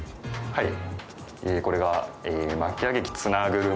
はい。